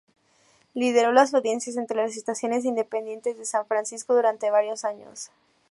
Lideró las audiencias entre las estaciones independientes de San Francisco durante varios años.